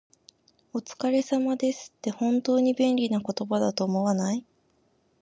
「お疲れ様です」って、本当に便利な言葉だと思わない？